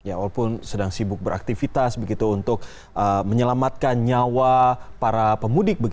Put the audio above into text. ya walaupun sedang sibuk beraktivitas begitu untuk menyelamatkan nyawa para pemudik